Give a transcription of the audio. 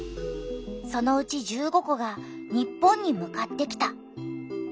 そのうち１５個が日本に向かってきた。